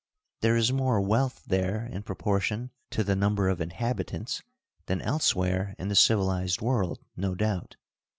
There is more wealth there in proportion to the number of inhabitants than elsewhere in the civilized world, no doubt.